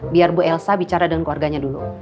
biar bu elsa bicara dengan keluarganya dulu